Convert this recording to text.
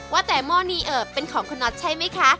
ว่าแต่หม้อนี้เป็นของคุณน็อตใช่ไหมคะ